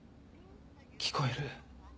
聞こえる。